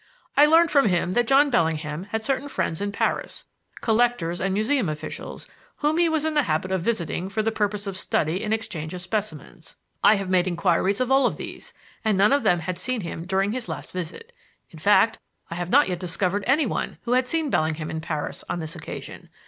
I learned from him that John Bellingham had certain friends in Paris collectors and museum officials whom he was in the habit of visiting for the purpose of study and exchange of specimens. I have made inquiries of all these, and none of them had seen him during his last visit. In fact, I have not yet discovered anyone who had seen Bellingham in Paris on this occasion.